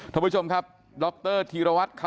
ทุกผู้ชมครับดรธีรวัตรคำโฉมนะครับ